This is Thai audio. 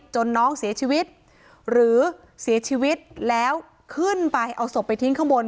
น้องเสียชีวิตหรือเสียชีวิตแล้วขึ้นไปเอาศพไปทิ้งข้างบน